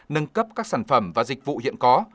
nâng cấp các sản phẩm và dịch vụ hiện có